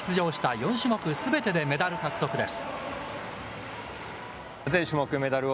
４種目すべてでメダル獲得です。